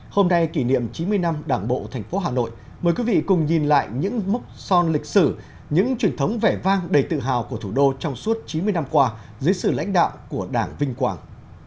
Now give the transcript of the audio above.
hôm nay kỷ niệm chín mươi năm đảng bộ thành phố hà nội mời quý vị cùng nhìn lại những mốc son lịch sử những truyền thống vẻ vang đầy tự hào của thủ đô trong suốt chín mươi năm qua dưới sự lãnh đạo của đảng vinh quang